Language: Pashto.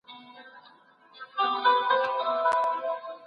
تاسو د مثبت ذهنیت سره د ژوند له هري تجربې زده کوئ.